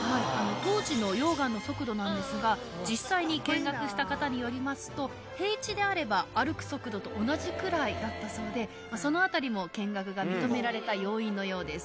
当時の溶岩の速度なんですが実際に見学した方によりますと平地であれば歩く速度と同じくらいだったそうでそのあたりも見学が認められた要因のようです。